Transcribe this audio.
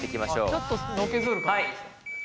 ちょっとのけぞる感じですか？